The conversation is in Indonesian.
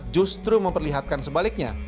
justru memperlihatkan sebaliknya